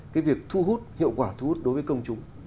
cái việc thu hút hiệu quả thu hút đối với công chúng